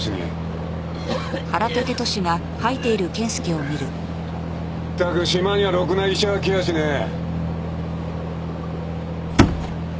まったく島にはろくな医者は来やしねえ。